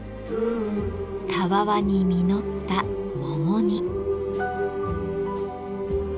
たわわに実った桃に。